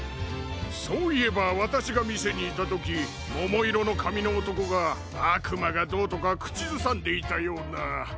そういえばわたしがみせにいたときももいろのかみのおとこがあくまがどうとかくちずさんでいたような。